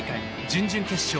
準々決勝